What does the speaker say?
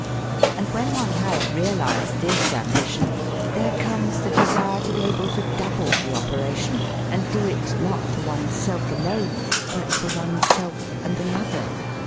And when one has realised this ambition, there comes the desire to be able to double the operation and do it, not for oneself alone, but for oneself and another.